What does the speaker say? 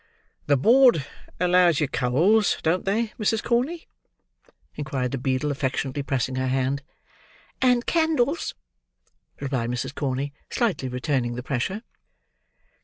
"The board allows you coals, don't they, Mrs. Corney?" inquired the beadle, affectionately pressing her hand. "And candles," replied Mrs. Corney, slightly returning the pressure.